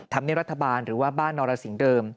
ธรรมเนียบรัฐบาลหรือว่าบ้านนรสิงเดิม